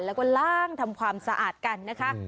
แล้วก็ล่างทำความสะอาดกันนะคะ